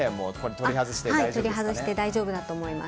取り外して大丈夫だと思います。